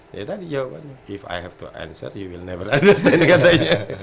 ya tadi jawabannya if i have to answer you will never understand katanya